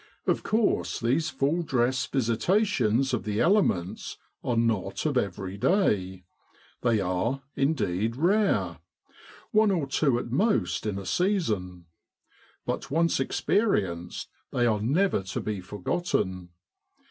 Of course these full dress visitations of the elements are not of every day they are, indeed, rare : one or two at most in a season. But once experienced they are never to be for gotten.